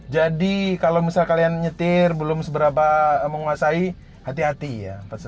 kalau misal kalian nyetir belum seberapa menguasai hati hati ya